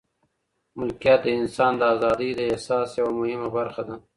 ملکیت د انسان د ازادۍ د احساس یوه مهمه برخه ده.